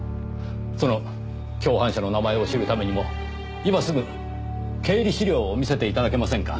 その共犯者の名前を知るためにも今すぐ経理資料を見せて頂けませんか？